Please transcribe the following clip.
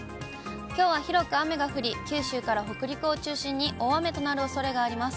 きょうは広く雨が降り、九州から北陸を中心に大雨となるおそれがあります。